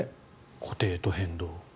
固定と変動。